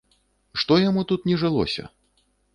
Што яму тут не жылося?